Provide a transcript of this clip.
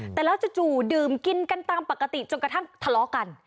แต่แล้วจู่ดื่มกินกันตามปกติจนกระทั่งทะเลาะกัน